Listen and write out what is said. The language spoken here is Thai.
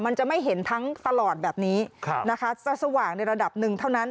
มันจะไม่เห็นทั้งตลอดแบบนี้นะคะจะสว่างในระดับหนึ่งเท่านั้น